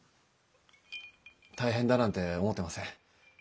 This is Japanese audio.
大変だなんて思ってません。